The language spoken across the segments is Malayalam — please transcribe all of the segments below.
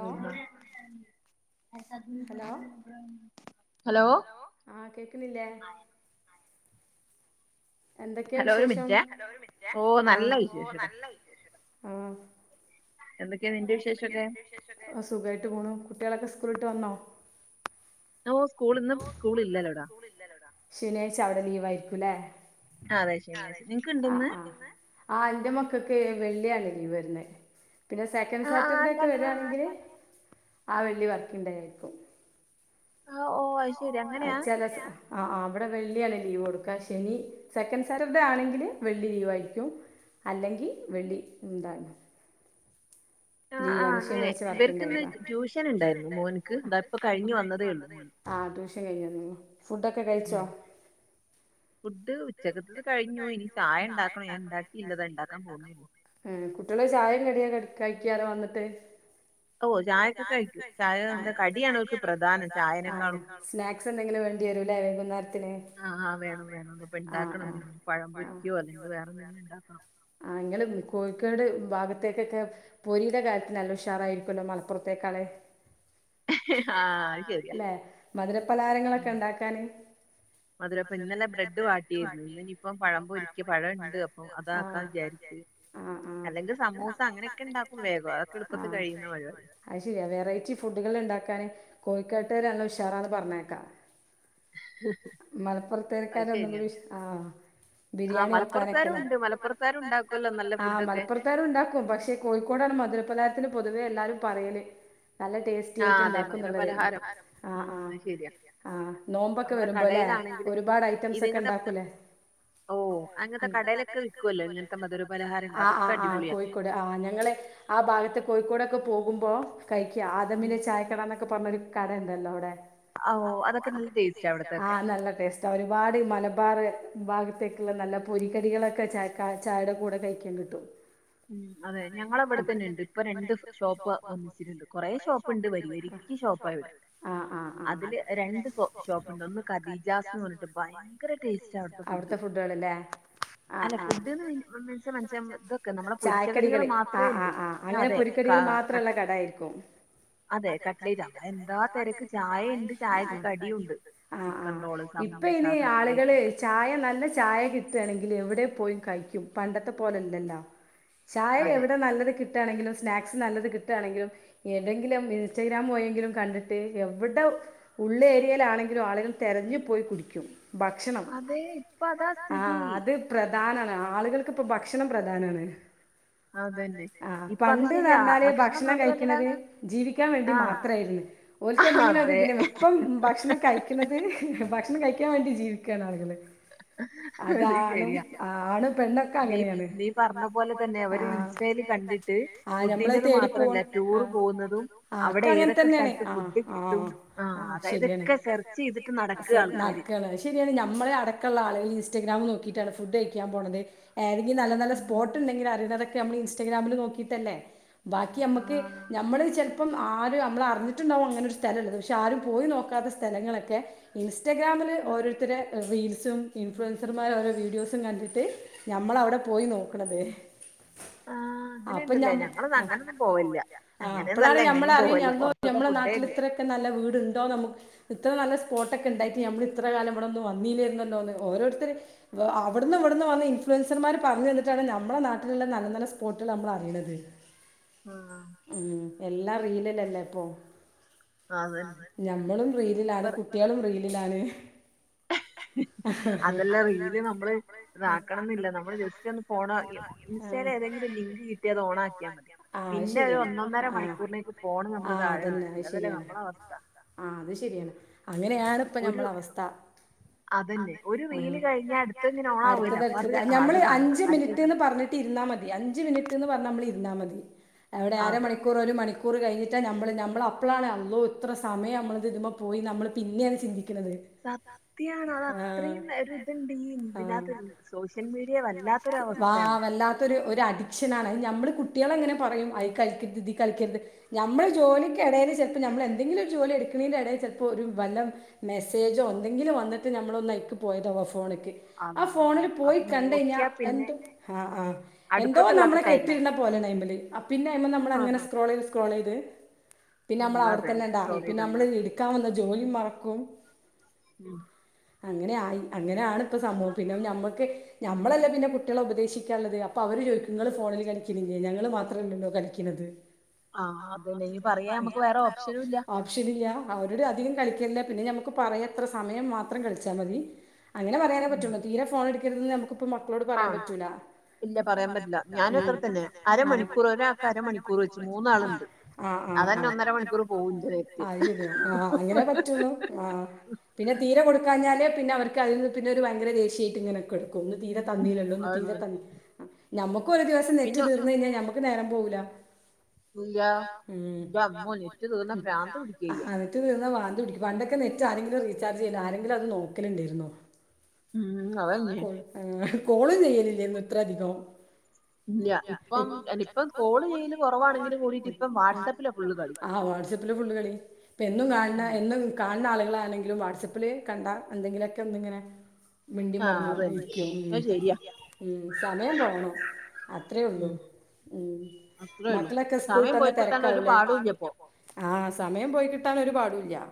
ആ ഹാ [unintelligible] ഹലോ ആഹ് കേക്കുന്നില്ലേ എന്തൊക്കെയാ വിശേഷം ഹലോ ഒരു മിനിറ്റ് ആ ഓ നല്ല വിശേഷം ആ ഓ സുഗായിട്ട് പോണു കുട്ടികളൊക്കെ സ്കൂളിട്ട് വന്നോ ശനിയഴ്ച്ച അവിടെ ലീവ ആയിരിക്കും കുല്ലേ ആ ആ ആ എന്റെ മക്കക്ക് വെള്ളിയാണല്ലീവ് വരുന്നെ പിന്നെ സെക്കൻഡ് സാറ്റർഡേ ഒക്കെ വരാണെങ്കിൽ ആ വെള്ളി വർക്കിംഗ്ഡേ ആയിരിക്കും ഹ ഓ ആ അ ചെല ആ ആ അവിടെ വെള്ളിയാണ് ലീവ് കൊടുക്കുക ശനി സെക്കൻഡ് സാറ്റർഡേ ആണെങ്കില് വെള്ളി ലീവ് അയിരിക്കും അല്ലെങ്കിൽ വെള്ളി ഇന്താണ് ലീവ് ആണ് ശനിയാഴ്ച വർക്കിംഗ്ഡേ ആ ട്യൂഷൻ കഴിഞ്ഞുവന്നു ഫുഡൊക്കെ കഴിച്ചോ മം കുട്ടികള് ചായം കടിം കഴിക്കാറ് വന്നിട്ട് ആ സ്നാക്ക്സ് എന്തെങ്കിലും വേ വേണ്ടി വരൂല്ലേ വൈകുന്നേരത്തിന് ഉണ്ടാക്കണം എന്തെങ്കിലും പഴം പൊരിക്കുവോ അല്ലെങ്കിൽ വേറെ എന്തെങ്കിലും ഉണ്ടാക്കണം ആ എങ്കലും കോഴിക്കോട് ഭാഗത്തേക്കൊക്കെ പൊരിടെ കാലത്ത് നല്ല ഉഷാറായിരിക്കല്ലോ മലപ്പുറത്തേക്കാളെ അല്ലെ മധുരപലാരങ്ങളൊക്കെ ഉണ്ടാക്കാന് മധുരപ്പൊ ഇന്നല്ലെ ബ്രെഡ് വാങ്ങിയിരുന്നു ഇനിയിപ്പം പഴമ്പൊരിക്കാ പഴണ്ട് അപ്പൊ അതാണ് ക്ക വിചാരിച്ച് അല്ലെങ്കിൽ സമൂസ അങ്ങനെയൊക്കെ ഇണ്ടാക്കും വേഗം അതൊക്കെ എളുപ്പത്തി കഴിയുന്ന പരിപാടിയ അ ശരിയ വെറൈറ്റി ഫുഡുകൾ ഉണ്ടാക്കാന് കോഴിക്കാട്ടുകരാണ ഉഷാറാന്ന് പറഞ്ഞേക്കാ മലപ്പുറത്തേക്കാര ഒന്തെങ്കും വിഷ ആ ബിരിയാണി വെക്കാനൊക്കെല്ലേ ല ആ മലപ്പുറത്താരുംണ്ടാക്കും പക്ഷെ കോഴിക്കോടാണ് മധുരപലാരത്തിന് പൊതുവേ എല്ലാരും പറയല് നല്ല ടേസ്റ്റി ആയിട്ട് ഉൾഇണ്ടാക്കുംന്നുള്ളത് ആ ആ ആ നോമ്പൊക്കെ വരുമ്പോ അല്ലെ ഒരുപാട് ഐറ്റംസ് ഒക്കെ ഉണ്ടാക്കൂലേ ഓ അങ്ങനത്തെ കടലൊക്കെ വി ആ ആ ആ കോഴിക്കോട് ആ് ഞങ്ങളെ ആ ഭാഗത്തെ കോഴിക്കോടൊക്കെ പോകുമ്പോ കഴക്ക് ആദമിനെ ചായക്കണന്നൊക്കെ പറഞ്ഞൊരു കടണ്ടല്ലോ അവിടെ ആ നല്ല ടേസ്റ്റ് ആ ഒരുപാട് മലബാർ ഭാഗത്തേക്കുള്ള നല്ല പൊരിക്കടികളൊക്കെ ച ചായയുടെ കൂടെ കഴിക്കാൻ കിട്ടും [inaudible] ആ ആ [unintelligible] അവിടത്തെ ഫുഡുകൾല്ലേ അല്ല [unintelligible] ചായക്കടികള് ആ ആ ആ അങ്ങനെ പുരിക്കടികൾ മാത്രള്ള കട ആയിരിക്കും ആ ആ ഇപ്പൊ ഇനി ആളുകള് ചായ നല്ല ചായ കിട്ടുകയാണെങ്കിൽ എ [unintelligible] എവിടെ പോയി കഴിക്കും പണ്ടത്തെ പോലെല്ലല്ലോ ചായ എവിടെ നല്ലത് കി കിാണെങ്കിലും സ്നാക്സ് നല്ലത് കിട്ടുകണെങ്കിലും ഏതെങ്കിലും ഇൻസ്റ്റഗ്രാമ പോയെങ്കിലും കണ്ടിട്ട് എവിടെ ഉള്ള ഏരിയയിലാണെങ്കിലും ആളുകൾ തിരഞ്ഞു പോയി കുടിക്കും ഭക്ഷണം ആ അ പ്രധാനാണ് ആളുകൾക്കിപ്പൊ ഭക്ഷണം പ്രധാനാണ് ആ പണ്ട്ന്ന്ഞ്ഞാല് ഭക്ഷണം കഴിക്കുന്നത് ജീവിക്കാൻ വേണ്ടി മാത്രായി ഓൽക്ക് ന്തെങ്കിലും ഇപ്പം ഭക്ഷണം കഴിക്കണത് ഭ ഭക്ഷണം കഴിക്കാൻ വേണ്ടി ജീവിക്കുകാണ് ആള്കള് [unintelligible] [unintelligible] ആണ് പെണ്ണ് ക്കെ അങ്ങനെണ് ആ ആ [unintelligible] ക്കെ അങ്ങൻ തന്നെ ണ് [unintelligible] നടക്കാണ് [unintelligible] ഇൻസ്റ്റഗ്രമിൽ നോിക്കിട്ടാണ് ഫുഡ് കഴിക്കാൻ പോണത്ഏതെങ്കില നല്ല സ്പോട്ടുണ്ടെങ്കിൽ അറിയണെ ന ഇൻസ്റ്റഗ്രാമിൽ നോക്കിയിട്ടല്ലേ ബാക്കി നമ്മുക്ക് നമ്മള് ച ഇപ്പം ആരും നമ്മൾ അറിഞ്ഞിട്ടുണ്ടാവും അങ്ങനൊ ഒരു സ്ഥലമ ഉള്ളത് പക്ഷെ ആരും പോയി നോക്കാത്ത സ്ഥലങ്ങളൊക്കെ [unintelligible] ഇൻറ്റഗ്രാമില് ഓരോരുത്തടെ റീൽ സ ഇൻഫ്ലുവൻർമാരോ വീഡിയോസും കണ്ടിട്ട് ഞമ്മള അവിടെ പോയി നോക്കണത് ആ ആ അങ്ങനെ ഇണ്ടല്ലേ ഞങ്ങന്ന അങ്ങനൊന്നും പോവല്ല അങ്ങനെയന്നല്ല എങ്ങനെയും പോവല്ല പുറത്തത്തെ ഫുഡേ ഇല്ല നല്ല വീടുണ്ടോ നമു ഇത്ര നല്ല സ്പോട്ടൊക്കെ ഉണ്ടായിട്ട് നഞമ്മൾ ഇത്ര കാലം ഇവിടെൊന്ന് വന്നില്ലരുന്നല്ലോ എന്ന് ഓരോരുത്തർ അവിടുന്ന് ഇവിടുന്ന് വന്ന് ഇൻഫ്ലുവൻസർമാർ പറഞ്ഞു തന്നിട്ടാണ് നമ്മുടെ നാട്ടിലുള്ള നല്ല നല്ല സ്പോട്ടുകൾ നമ്മൾ അറിയണത് ആ എല്ലാം റീലല്ലല്ലേ ഇപ്പൊ ഞമ്മളും റീലിലാ ണ് കുട്ടികളും റീൽ [unintelligible] [unintelligible] [unintelligible] നമ്മ ജസ്റ്റ് ഒന്ന് ഫോൺ ഇൻസ്റ്റൽ ഏതെങ്കിലും ലിങ്ക് കിട്ടിയത് ഓൺ ആക്കിയ [unintelligible] പിന്നെ ഒരു ഒന്നൊന്നര മണിക്കൂറിനേക്ക് പോണ് നമ്മള് താഴെ വൽക്കൂല അതല്ലേ നമ്മള അവസ്ഥ ആ അത് ശരിയാണ് അങ്ങനെയണ ഇപ്പ നമ്മളെ അവസ്ഥ [unintelligible] അടുത്തത് അടുത്തത് ഞമ്മള് അഞ്ച് മിനിറ്റ്ന്ന് പറഞ്ഞിട്ട് ഇരാ മതി അഞ്ച് മിനിറ്റ്ന്ന് നമ്മ ഇരാ മതി അവിടെ അര മണിക്കൂറ് ഒരു മണിക്കൂർ കൂറ് കഴിഞ്ഞിട്ടാ നമ്മൾ നമ്മ അപ്പപ്പോളാണല്ലോ ഇത്ര സമയം നമ്മൾത്തിൾ പോയി നമ്മൾ പിന്നെയന്ന് ചിന്തിക്കും സത്യയാണോ അത അത്രയും ഒ ഇതുണ്ട് ഈ ഇതിനകത്ത് സോഷ്യൽ മീഡിയ വാ വല്ലാത്തൊരു ഒരു അഡിക്ഷന ആണ് നമ്മള് കു കുട്ടികളങ്ങനെ പറയും ഐ കളിക്കരുത് ഇതി കളിക്കത് നമ്മൾ ജോലിക്കിടയിൽ ചിലപ്പോൾ നമ്മ എന്തങ്കിലും ഒരു ജോലി [unintelligible] [unintelligible] ചിലപ്പോ ഒരു വല്ല മെസ്സേജോ എന്തങ്കിലും വന്നിട്ട് നമ്മള ഒന്നന്ന് ഇക്ക് പോയതാകോ [unintelligible] ഫോണിലക്ക് [unintelligible] ആ ഫോണിൽ പോയി കണ്ട കഴഞ്ഞ ആ എന്തോ നമ്മളെ കെട്ടി പോലെല് പിന്നെ [unintelligible] അങ്ങനെ സ്ക്ോൾ ചെയ്ത് സ്ക്രോൾ ചെയ്ത് പിന്നെ നമ്മളവിടെതന്നണ്ടായി പിന്നെ നമ്മള് എടുക്കാൻ വന്ന ജോലിയും മറക്കും ഉം അങ്ങനെ ആയി അങ്ങനെയാണ് ഇപ്പസംഭവം പിന്നെ ഞമ്മക്ക് ഞമ്മളല്ലേ പിന്നെ കുട്ടികളെ ഉപദേശിക്കാനുള്ളത് അപ്പൊ അവര് ചോദിക്കും ഇങ്ങള് ഫോണില് കളിക്ക്ണില്ലേ ഞങ്ങള്ൾ മാത്രല്ലല്ലോ കളിക്ക്ണത് ആ അപ്പിന്നിനി പറയാൻ നമ്മക്ക് വേറെ ഓപ്ഷനുല്ല. ഓപ്ഷനില്ല അവരോട് അധികം കളിക്കല്ലേ പിന്നെ നമക്ക് പറയാ ഇത്ര സമയം മാത്രം കളിച്ചാമതി അങ്ങനെ പറയാനേപറ്റുള്ളൂ തീരെ ഫോണെടുക്കരുതെന്ന് നമുക്ക് ഇപ്പൊ മക്കളോട് പറയാൻ പറ്റൂല ഇല്ല പറയാൻപറ്റില്ല ഞാനും അത്രതന്നെ അരമണിക്കൂർ ഒരാൾക്ക് അരമണിക്കൂറ് വെച്ച് മൂന്നാള്ണ്ട് അ ആ അതെന്നൊന്നര മണിക്കൂർ പോവും ചെയ്യും. അത്ശെരിയാണ് ആ അങ്ങനെയേ പറ്റുള്ളൂ ആ പിന്നെ തീരെ കൊടുക്കാഞ്ഞാല് പിന്നെ അവർക്ക് അതിൽന്ന് ഭയങ്കര ദേഷ്യായിട്ടിങ്ങനെ കെടക്കും ഒന്ന് തീരെ തന്നില്ലല്ലോ ഒന്ന് തീരെ തന്നില്ല നമുക്കും ഒരുദിവസം നെറ്റ് തീർന്നു കഴിഞ്ഞാൽ ഞമ്മുക്ക് നേരം പോകൂല ഇല്ല ന്റമ്മോ നെറ്റ് തീർന്നാ പ്രാന്ത്പിടിക്കും. ആ നെറ്റ് തീർന്നാ പ്രാന്ത് ന്ത്‌ പിടിക്കും പണ്ടൊക്കെ നെറ്റ് ആരെങ്കുലും റീചാർജ് ചെയ്യ്ണോ ആരെങ്കും അത് നോക്കല്ണ്ടായിരുന്നോ ഉം അതന്നെ അ കോളും ചെയ്യലില്ലേയിരുന്നു ഇത്ര അധികം ഇല്ല ഇപ്പം ഇപ്പ കോള്ചെയ്യല് കുറവാണെങ്കിലും കൂടിട്ട്പ്പ വാട്സാപ്പിലാ കളി വാട്സാപ്പിലാ ഫുള്ള്കളി ഇപ്പൊ എന്നും കാണ്ണ എന്നും കാണ്ണാളുകൾ ളാണെങ്കിലും വാട്സപ്പിൽ കണ്ടാ എന്തെങ്കിലൊക്കെ എന്നിങ്ങനെ മണ്ടിയും പറഞ്ഞും ക്കും എന്താ ചെയ്യാ സമയം പോണം അത്രേയുള്ളൂ അ മക്കളൊക്കെ സ്കൂൾത്തെവല്ല തിരക്കാവുംലേ ആ സമയം പോയിക്കിട്ടാൻ നൊരുപാടുംല്ലാ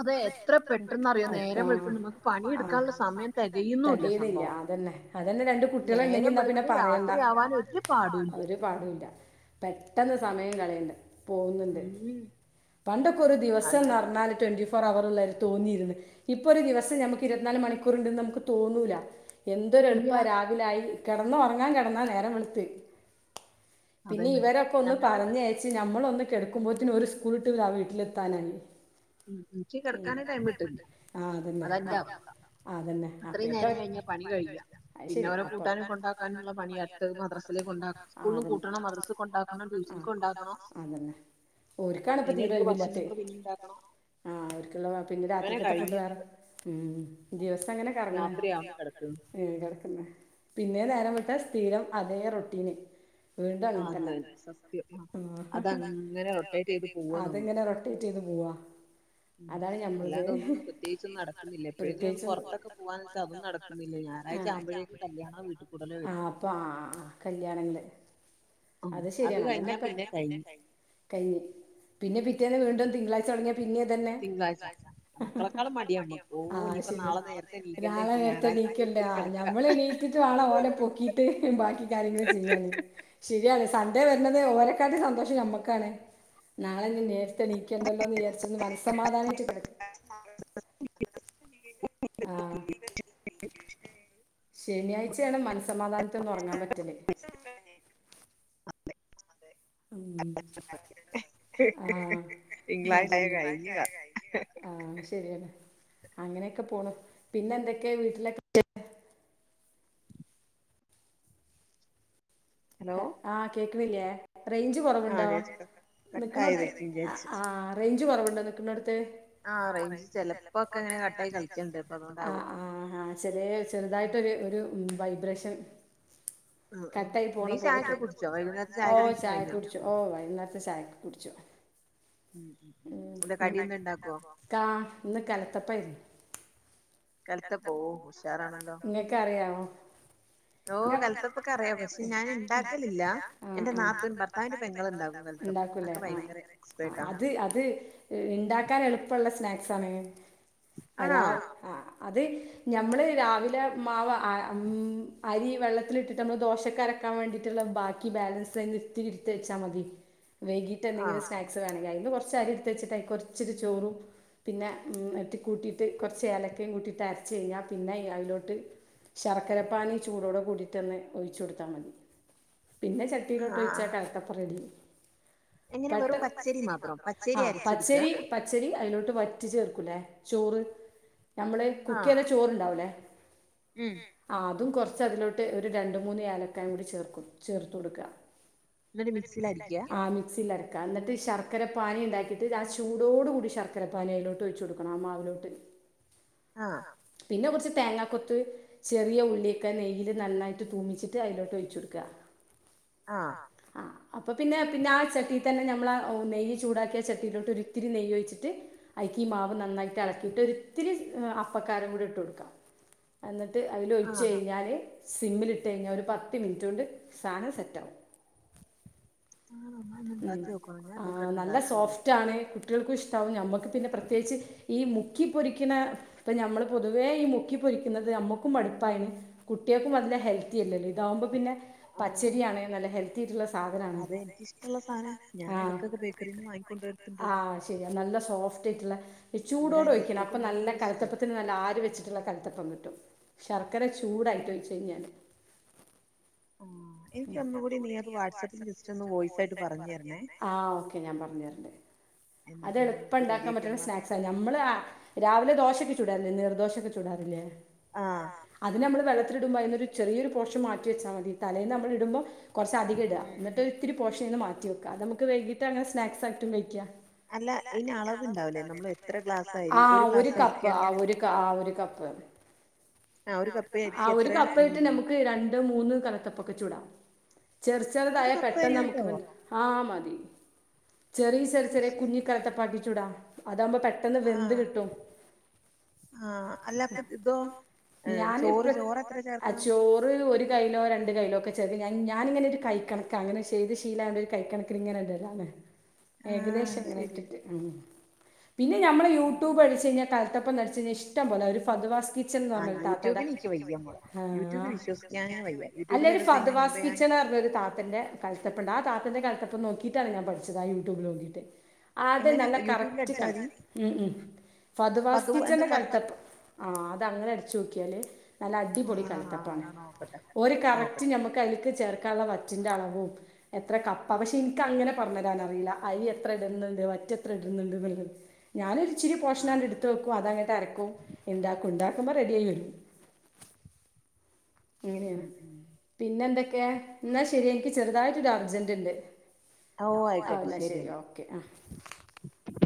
അതെ എത്ര പെട്ടന്നറിയോ നേരം വെളുത്ത് നമുക്ക് പണിയെടുക്കാനുള്ള സമയം തികയു തകയുന്നില്ല അതന്നെ അതന്നെ രണ്ട്കുട്ടികളുണ്ടെങ്കിൽ എന്നാ പിന്നെ പറയണ്ട രാത്രിയാവാൻ ഒരു പാടുല്ല ഒരു പാടുല്ല യൂല പെട്ടെന്ന് സമയം കളയണ്ട് പോകുന്നുണ്ട് പണ്ടൊക്കെ ഒരു ദിവസംന്നറഞ്ഞാല് ട്വന്റിഫോ ഫോർ അവർ ഉള്ളതായി തോന്നിയിരുന്നു ഇപ്പൊരു ദിവസം നമുക്ക് ഇരുപത്തിനാല് മണിക്കൂറ്ണ്ട്ന്ന് നമുക്ക് തോന്നൂല എന്തൊരു എളുപ്പാ രാവിലായി കിടന്നൊറങ്ങാൻ കിടന്നാ നേരം വെളുത്ത് പിന്നെ ഇവരൊക്ക ഒന്ന്പറഞ്ഞയച്ച് ന മ്മളൊന്ന് കിടക്കുമ്പോത്തിന് ഓര് സ്കൂള്വിട്ട് ദാ വീട്ടിലെത്താനായി എനിക്ക് കിടക്കാനേ ടൈം കിട്ട്ണില്ല. ആ അതന്നെ. അതെന്റവസ്ഥ അതന്നെ ആ കഴിക്കലും കഴിഞ്ഞാ പണി കഴിഞ്ഞു. അതശെരി അപ്പൊ. ഇനിയൊരെ കൂട്ടാനും കൊണ്ടാക്കാനുള്ള പണി അടുത്തത് മദ്രസയില് കൊണ്ടാക്കണം. അതന്നെ ആ മദ്രസെക്കൊണ്ടാക്കണം ട്യൂഷന്ക്കൊണ്ടാക്കണം അയിനെടക്ക് ഭക്ഷണങ്ങൾ പിന്നേണ്ടാക്കണം ആഹ് അവർക്കുള്ള പിന്നെ രാത്രിക്കൊത്തെ ഫുഡ്‌ വേറെ ഉം ദിവസം അങ്ങനെ കറങ്ങണ് രാത്രിയാകും കിടക്കുമ്പോ. ഏ കിടക്കുമ്പൊ പിന്നെ നേരം വെള്ത്താ സ്ഥിരം അതേ റൊട്ടീന് വീണ്ടും അങ്ങനത്തന്നേ. ആഹ് സത്യം അതങ്ങനെ റൊട്ടേറ്റ് ചെയ്ത് പോവും. അതങ്ങനെ റൊട്ടേറ്റ് ചെയ്ത് പോവും ഉവ്വ ഉ അല്ലാതൊന്നും പ്രത്യേകിച്ചും നടക്കുന്നില്ല എപ്പോഴെങ്കിലും ഒന്ന് പുറത്തൊക്കെ പോവാൻ അതും നടക്കുന്നില്ല ഞായറാഴ്ച ആവുമ്പോഴേക്ക് കല്യാണ വീട്ട്ക്കൂടലോ വരും ആ അത് കഴിഞ്ഞാ പിന്നെ കഴിഞ്ഞ് പിന്നെ പിറ്റേന്ന് വീണ്ടും തിങ്കളാഴ്ച തുടങ്ങിയാ പിന്നേം ഇതെന്നെ. തിങ്കളാഴ്ച നിങ്ങളെക്കാൾ മടിയാ നമ്മക്ക് നാളെ നേരത്തേണീക്കണം നാളെ നേരത്തെണീക്കണ്ട ഞമ്മളെണീറ്റിട്ട് വേണം ഓലെ പൊക്കിയിട്ട് ബാക്കി കാര്യങ്ങൾ ചെയ്യാന് ശരിയാണ് സൺഡേ വരുന്നത് ഓരെക്കാട്ടി സന്തോഷം നമ്മുക്കാണ് നാളെനി നേര ത്തെണീക്കണ്ടാലൊന്നിചാരിച്ച് മനസ്സമാധാനായിട്ട് കിടക്കും ആഹ് ശനിയാഴ്ചയാണ് മനസമാധാനത്തൊന്നൊറങ്ങാൻ പറ്റല് അതെ ഉ ആഹ അതന്നെ ആഹ ശരിയാണ്. അങ്ങനെയൊക്കെ പോണ്പിന്നെ എന്തൊക്കെയാ വീട്ടിലക്കെ? ഹ ആഹ! കേക്കണില്ലേ? റേഞ്ച് കുറവുണ്ടോ നിക്കുന്നോട ആ റേഞ്ച് കൊറവുണ്ടോ നിക്കുന്നോട- ത്തെ ആെ ചെറതായിട്ടൊ വൈബ്രേഷൻ ആഹ! ആഹ! പോണ പോലെ ഓ.. ചായ കുടിച്ചു ഓ.. വൈകുന്നേരത്തെ ചായ കുടിച്ചു. ഉണ്ട കാ ഇന്ന് കലത്തപ്പായിരുന്നു. നിന്നെക്കെറിയാവോ? അ കലത്തപ്പൊക്കെ അറിയാം പക്ഷെ ഞാൻ ഉണ്ടാക്കലില്ല എന്റെ നാത്തുൻ ഭർത്താവിന്റെ പെങ്ങൾണ്ടാക്കും ഉണ്ടാക്കൂലേ ആ അത് അത് ഉണ്ടാക്കാൻ എളുപ്പമുള്ള സ്നാക്സ് ആണ്. അത് ഞമ്മള് രാവിലെ മാവ അരി വെള്ളത്തിലിട്ടിട്ട് നമ്മള് ദോശക്കാരൊ ാൻ വേണ്ടിട്ടുള്ള ബാക്കി ബാലൻസ്ന്ന് ഇത്തിരിരുത്ത വച്ചാ മതി. വൈകീട്ട് എന്തങ്കിലും സ്നാസ് വേണെ കുറച്ചു അരിയുംഎടുത്തു വെച്ചിട്ട്കുറച്ചു ചോറും പിന്നെ മറ്റും കൂട്ടിട്ട് കുറച്ചു ഏലക്കയും അരച്ച കഴിഞ്ഞാൽ പിന്നെ അതിലോട്ട്- ശർക്കരപ്പാനി ചൂടോടെ കൂടിന്ന്ന്നെ ഒഴിച്ചു കൊടുത്താൽ മതി പിന്നെ ചട്ടിയിലോട്ട് ഒഴിച്ചാ കലത്തപ്പം റെഡി. പെട്ടെന്ന് പച്ചരി ആഹ് പച്ചരി പച്ചരി അതിലോട്ട് വയറ്റി ചേർക്കൂലേ ചോറ്. നമ്മള് കുക്കല്ല ചോറണ്ടാവല്ലേ. ഉം അതും കുറച്ച് അതിലോട്ട് ഒരു രണ്ട് മൂന്ന് ഏലക്കായും കൂടി ചേർക്ക ചേർത്ത് കൊടുക്ക. ആ മിക്സിലരക്കാം എന്നിട്ട് ശർക്കര പാനി ണ്ടാക്കിയിട്ട് ആ ചൂടോട്കൂടി ശർക്കര പാനയിലോട്ട് വെച്ച് കൊടുക്കണം. ആ മാവിലോട്ട്. ആഹ് പിന്നെ കുറച്ച് തേങ്ങക്കൊത്ത് ചെറിയ ഉള്ളിയൊക്കെ നെയ്യില് നന്നായിട്ട് തൂമിച്ചിട്ട് അതിലോട്ട് ഒഴിച്ചോടുക്ക. അപ്പൊ പിന്നെ പിന്നെ ആ ചട്ടി തന്നെ ഞമ്മള നെ ചൂടാക്കിയ ചട്ടിട്ട് ഒത്തിരി നെയ്യോയിച്ചിട്ട് അ ഈ മാവ് നന്നായിട്ട് ഇളക്കിയിട്ട് ഒത്തിരി ക്കാര കൂടി ഇട്ട് കൊടുക്കാം. എന്നിട്ട് അതില് ഒഴിച്ചഴിഞ്ഞാല് സിമ്മിലിട്ടഴിഞ്ഞാ ഒരു പത്ത് മിനിറ്റ് കൊണ്ട് സാനം സെറ്റവും. ഉം ആ നല്ല സോഫ്റ്റ് ആണ്. കുട്ടികൾക്കും ഇഷ്ടാവും ഞമ്മക്കും പിന്നെ പ്രത്യേകിച്ച് ഈ- മുക്കി പൊരിക്കുന്ന ഇപ്പ ഞമ്മള് പൊതുവേ ഈ മുക്കി പൊരിക്കുന്നത് നമ്മുക്കും മടുപ്പായി കുട്ട്യോക്കും അ നല്ല ഹെൽത്തി അല്ലല്ലോ ഇതാകുമ്പോ പിന്നെ പച്ചരിയാണ് നല്ല ഹെൽത്തി ആയിട്ടുള്ള സാധനാണ്. മറ്റുള്ള സാധനം ഞാൻ ഇടക്കൊക്കെ ബേക്കറിന്ന് വാങ്ങിക്കൊണ്ടുവരത്തിണ്ടത്. ല്ല സോഫ്റ്റ് ആയിട്ടൊള്ള ഈ ചൂടോട് ഒഴിക്കണം. അപ്പൊ നല്ല കലുത്തപ്പത്തിന് നല്ല ആര് വെച്ചിട്ടുള്ള കലത്തപ്പം കിട്ടും. ശർക്കര ചൂടായിട്ട് വെച്ച് കഴിഞ്ഞാ ആ എനക്ക് ഒന്നുകൂടി നിയ വാട്സപ്പിൽ ജിസ്റ്റ് ഒര് വോയിസ് ആയിട്ട് ആഹ്! ഓക്കെ ഞാൻ പറഞ്ഞ തരണ്ടേ. അത് എളുപ്പണ്ടാക്കാൻ പറ്റണ സ്നാക്സാ നമ്മ രാവിലെ ദോ- ശ ചുടാറില്ലേ നീർ ദോശക്ക ചു ടുമ്പോ ചെറിയരു പോഷം മാറ്റി വച്ചാ മതി. തലേന്ന് നമ്മള ഇടുമ്പോ കൊറച്ചധികം ഇടുക എന്നിട്ട് ഒത്തിരി പോഷം ന്ന് മാറ്റി വെക്ക അത് നമക്ക് വൈകിട്ട് അങ്ങന സ്നാക്സ് ആയിട്ടും കഴിക്കാം. ആ ഒരു കപ്പ് ആ ഒരു കപ്പ് അതെ. ആ ഒരു കപ്പായിട്ട് നമുക്ക് രണ്ട് മൂന്നും കലത്തപ്പൊക്കെ ചുടാം. ചെറു ചെറുതായ പെട്ടെന്ന് നമ്മുക്ക് ആ മതി. ചെറിയ ചെറിയ ചെറിയ കുഞ്ഞിക്കലത്തപ്പാക്കിച്ചൂടാ. അതാകുമ്പോ പെട്ടെന്ന് വെന്ത് കിട്ടും. ആ അല്ല അപ്പ ഇതോ ഞാൻ ഇപ്പൊ ചോറ് ഒരു കൈയിലോ രണ്ട് കൈയിലോ ഒക്കെ ചെ ഞാനിങ്ങനെ ഒരു കൈ കണക്കാ അങ്ങനെ ചെയ്ത് ശീലണ്ട് ഒരു കൈ കണക്കിന് ഇങ്ങന ഇടല്ലാണ്. ഏകദേശം ഇങ്ങനെ ഇട്ടിട്ട്. ഉം പിന്നെ നമ്മൾ യൂട്യൂബ് അടിച്ച് കഴിഞ്ഞാൽ കലത്തപ്പം അടിച്ച് കഴിഞ്ഞാൽ ഇഷ്ടം പോലെ വരും ഒരു ഫതുവാസ് കിച്ചൻ എന്ന് പറഞ്ഞ താത്തടെ അല്ലെങ്കി ഒരു ഫത്വാസ് കിച്ചൻ പറഞ്ഞ ഒരു താത്തന്റെ കലത്തപ്പുണ്ട് ആ താത്തന്റെ കലത്തപ്പം നോക്കിട്ടാണ് ഞാൻ പഠിച്ചത്. ആ യൂട്യബ് നോക്കിട്ട് അതെ നല്ല കറക്റ്റ് കള ഫത് വാസ്കിച്ചന്റെ കലത്തപ്പം. ആ അത് അങ്ങനെ അടിച്ച് നോക്കിയാല് നല്ല അടിപൊടി കലത്തപ്പാണ്. ഓര് കറക്റ്റ് ഞമ്മക്ക് അതിലക്ക് ചേർക്കാനുള്ള വറ്റിൻ്റെ അളവും എത്ര കപ്പ പക്ഷെ എനിക്ക അങ്ങനെ പറഞ്ഞു തരാൻറിയില്ല അരി എത്ര ഇടുന്നുണ്ട് വറ്റ് എത്ര ഇടുന്നുണ്ട് എന്നത് ഞാനൊരു ഇച്ചിരി പോഷനായിട്ട് എടുത്ത് വെക്കും. അതങ്ങട്ട് അരക്കും ഇണ്ടാക്കും. അപ്പ റെഡിയായി വരും. അങ്ങനെയാണ് പിന്നെ എന്തൊക്കെ എന്നാ ശരി എനിക്ക് ചെറുതായിട്ടൊരു അർജന്റ്ണ്ട്. ഓ അന്നാ ശരി ഓക്കെ ആ